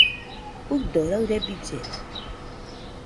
Juido, raɨre billena